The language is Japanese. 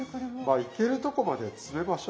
まあいけるとこまで詰めましょう。